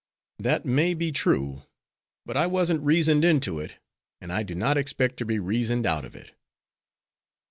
"That may be true; but I wasn't reasoned into it, and I do not expect to be reasoned out of it."